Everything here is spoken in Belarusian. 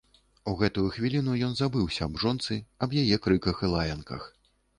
У гэтую хвіліну ён забыўся аб жонцы, аб яе крыках і лаянках.